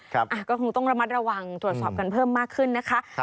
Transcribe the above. ก็คงต้องระมัดระวังตรวจสอบกันเพิ่มมากขึ้นนะคะ